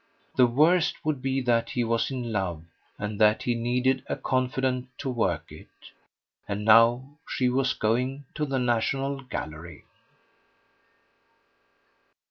The worst would be that he was in love and that he needed a confidant to work it. And now she was going to the National Gallery.